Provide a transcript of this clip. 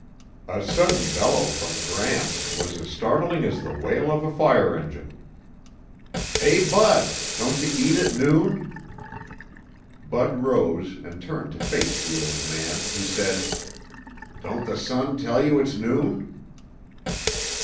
A sudden bellow from Gramps was as startling as the wail of a fire engine. "Hey, Bud. Don'cha eat at noon?" Bud rose and turned to face the old man, who said, "Don't the sun tell you it's noon?"